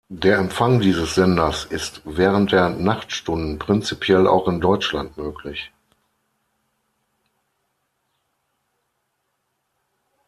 Der Empfang dieses Senders ist während der Nachtstunden prinzipiell auch in Deutschland möglich.